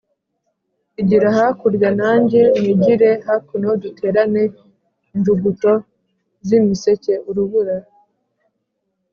Igira hakurya nanjye nigire hakuno duterane injuguto z'imiseke-Urubura.